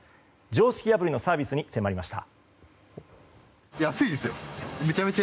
常識破りのサービスに迫りました。